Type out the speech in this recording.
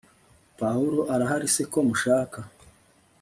pawulo arahari se ko mushaka